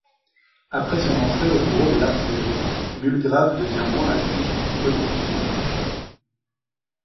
Après son entrée au bureau de l'Artillerie, Mulgrave devient moins actif politiquement.